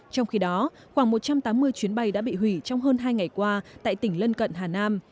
trong khi đó khoảng một trăm tám mươi chuyến bay đã bị hủy trong hơn hai ngày qua tại tỉnh lân cận hà nam